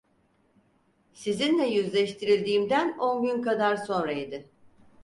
Sizinle yüzleştirildiğimden on gün kadar sonra idi.